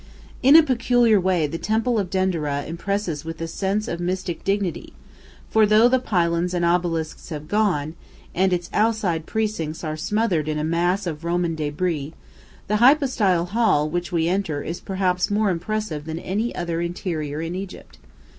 ] In a peculiar way the temple of Dendereh impresses with a sense of mystic dignity, for though the pylons and obelisks have gone, and its outside precincts are smothered in a mass of Roman débris, the hypostyle hall which we enter is perhaps more impressive than any other interior in Egypt.